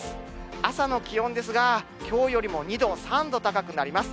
朝の気温ですが、きょうよりも２度、３度高くなります。